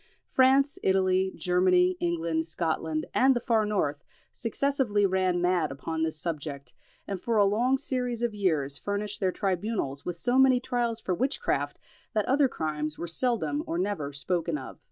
France, Italy, Germany, England, Scotland, and the far north successively ran mad upon this subject, and for a long series of years furnished their tribunals with so many trials for witchcraft, that other crimes were seldom or never spoken of.